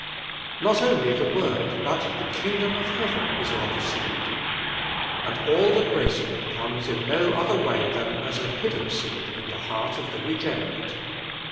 Not only the Word, but "the kingdom of heaven is like a seed." And all the grace of it comes in no other way than as a hidden seed in the heart of the regenerate.